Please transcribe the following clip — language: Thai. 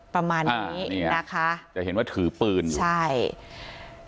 ประมาณนี้นี่นะคะจะเห็นว่าถือปืนอยู่ใช่